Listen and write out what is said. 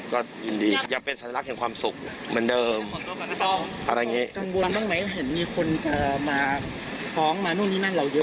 กังวลบ้างไหมเห็นมีคนจะมาค้องมานู่นนี่นั่นเหล่าเยอะ